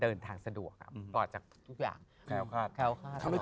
พี่ยังไม่ได้เลิกแต่พี่ยังไม่ได้เลิก